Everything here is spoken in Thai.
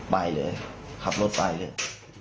ไปเลยขับรถไปเลย